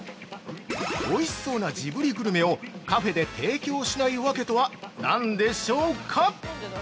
おいしそうなジブリグルメをカフェで提供しないわけとは何でしょうか。